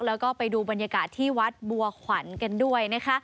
แล้วก็ไปดูบรรยากาศที่วัดบัวขวัญกันด้วยนะคะ